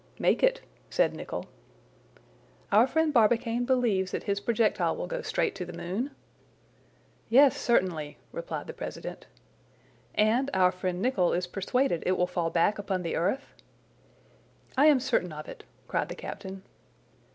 "Make it," said Nicholl. "Our friend Barbicane believes that his projectile will go straight to the moon?" "Yes, certainly," replied the president. "And our friend Nicholl is persuaded it will fall back upon the earth?" "I am certain of it," cried the captain.